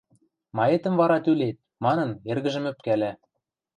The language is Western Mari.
– Маэтӹм вара тӱлет? – манын, эргӹжӹм ӧпкӓлӓ.